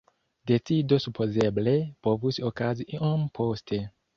Decido supozeble povus okazi iom poste.